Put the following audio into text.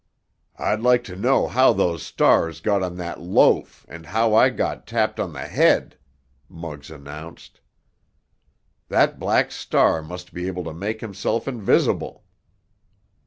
"I'd like to know how those stars got on that loaf and how I got tapped on the head!" Muggs announced. "That Black Star must be able to make himself invisible!"